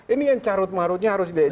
ini yang carut marutnya harus